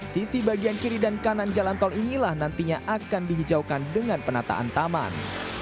sisi bagian kiri dan kanan jalan tol inilah nantinya akan dihijaukan dengan penataan taman